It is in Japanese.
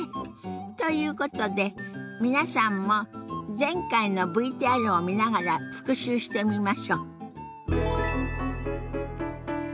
ということで皆さんも前回のＶＴＲを見ながら復習してみましょ。